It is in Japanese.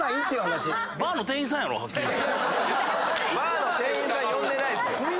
バーの店員さん呼んでないですよ。